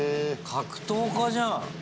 格闘家じゃん。